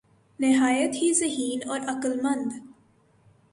نہایت ہی ذہین اور عقل مند